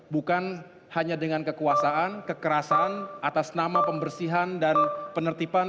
bukan hanya dengan kekuasaan kekerasan atas nama pembersihan dan penertiban